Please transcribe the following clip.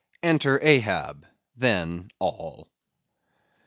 (_Enter Ahab: Then, all.